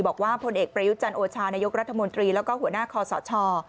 บอกว่าพลเอกประยุจันทร์โอชานายกรัฐมนตรีแล้วก็หัวหน้าคอสช